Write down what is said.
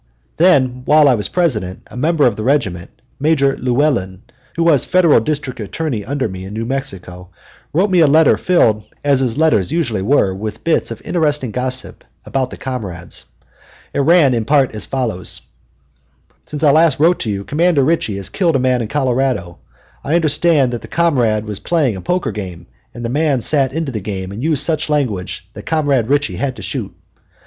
Then, while I was President, a member of the regiment, Major Llewellyn, who was Federal District Attorney under me in New Mexico, wrote me a letter filled, as his letters usually were, with bits of interesting gossip about the comrades. It ran in part as follows: "Since I last wrote you Comrade Ritchie has killed a man in Colorado. I understand that the comrade was playing a poker game, and the man sat into the game and used such language that Comrade Ritchie had to shoot.